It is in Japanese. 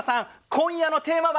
今夜のテーマは。